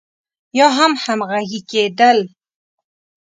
يا هم همغږي کېدل.